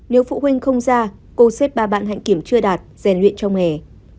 nếu phụ huynh không ra cô xếp ba bạn hạnh kiểm chưa đạt rèn luyện trong nghề